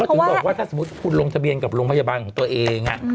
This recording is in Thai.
ถึงบอกว่าถ้าสมมุติคุณลงทะเบียนกับโรงพยาบาลของตัวเอง